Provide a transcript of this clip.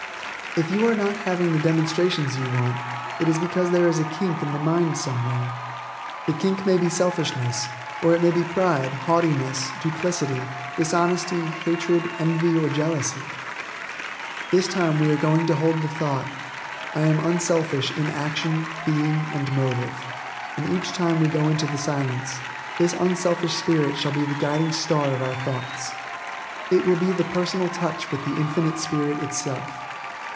If you are not having the demonstrations you want, it is because there is a kink in the mind somewhere. The kink may be selfishness, or it may be pride, haughtiness, duplicity, dishonesty, hatred, envy or jealousy. This time we are going to hold the thought: "I am unselfish in action, being and motive," and each time we go into the Silence, this unselfish spirit shall be the guiding star of our thoughts. It will be the personal touch with the Infinite Spirit itself.